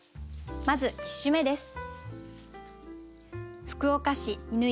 まず１首目です。